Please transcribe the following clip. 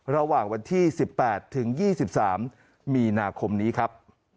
ระหว่างวันที่๑๘ถึง๒๓มีนาคมนี้ครับ